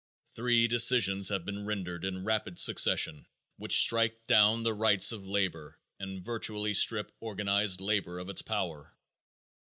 Three decisions have been rendered in rapid succession which strike down the rights of labor and virtually strip organized labor of its power.